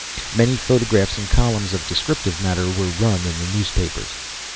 Many photographs and columns of descriptive matter were run in the newspapers.